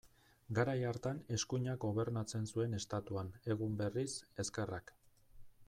Garai hartan eskuinak gobernatzen zuen Estatuan, egun berriz, ezkerrak.